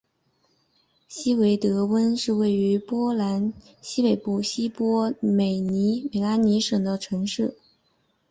希维德温是位于波兰西北部西波美拉尼亚省的城市。